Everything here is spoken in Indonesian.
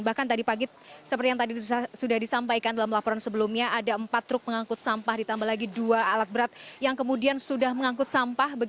bahkan tadi pagi seperti yang tadi sudah disampaikan dalam laporan sebelumnya ada empat truk pengangkut sampah ditambah lagi dua alat berat yang kemudian sudah mengangkut sampah